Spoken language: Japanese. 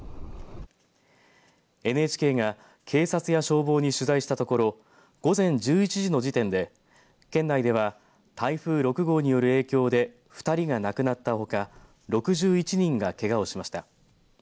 ＮＨＫが警察や消防に取材したところ午前１１時の時点で県内では台風６号による影響で２人が亡くなったほか６１人がけがをしました。